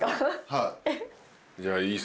はい。